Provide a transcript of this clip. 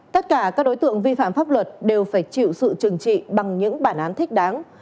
tất cả các đối tượng vi phạm pháp luật đều phải chịu sự trừng trị bằng những bản án thích đáng